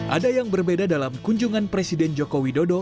ada yang berbeda dalam kunjungan presiden jokowi dodo